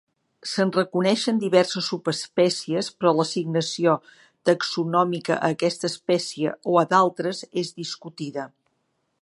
Se'n reconeixen diverses subespècies, però l'assignació taxonòmica a aquesta espècie o a d'altres és discutida.